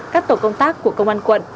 các tổ công tác của công an quận